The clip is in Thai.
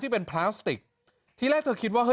เป็นพลาสติกทีแรกเธอคิดว่าเฮ